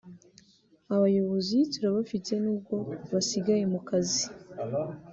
Abayobozi turabafite nubwo basigaye mu kazi